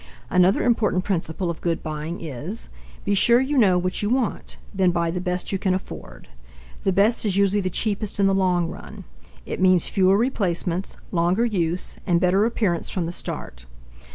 Another important principle of good buying is: Be sure you know what you want; then buy the best you can afford. The best is usually the cheapest in the long run. It means fewer replacements, longer use, and better appearance from the start.